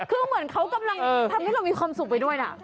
คือเหมือนเขากำลังทำให้เรามีความสุขไปด้วยนะ